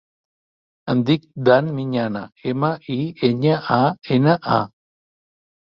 Em dic Dan Miñana: ema, i, enya, a, ena, a.